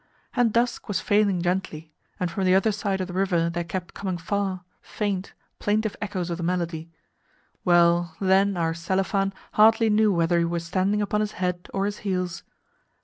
and dusk was falling gently, and from the other side of the river there kept coming far, faint, plaintive echoes of the melody well, then our Selifan hardly knew whether he were standing upon his head or his heels.